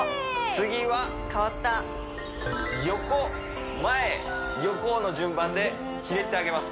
次は変わった横前横の順番でひねってあげます